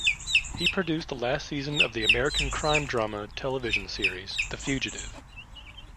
He produced the last season of the American crime drama television series "The Fugitive".